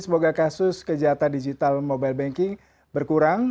semoga kasus kejahatan digital mobile banking berkurang